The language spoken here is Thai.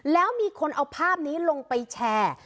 แล้วมีคนเอาภาพนี้ลงไปแชร์